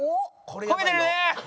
焦げてるね！